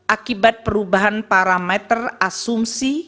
akibat perubahan parameter asumsi